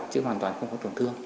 chứ hoàn toàn không có tổn thương